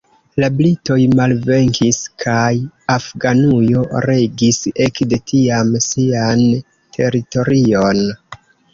La britoj malvenkis kaj Afganujo regis ekde tiam sian teritorion.